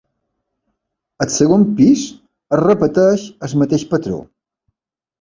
Al segon pis es repeteix el mateix patró.